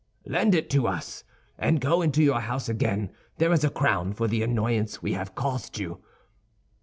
'Lend it to us, and go into your house again; there is a crown for the annoyance we have caused you.